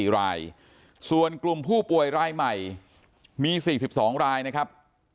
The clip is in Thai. ๔รายส่วนกลุ่มผู้ป่วยรายใหม่มี๔๒รายนะครับ